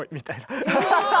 アハハハハ！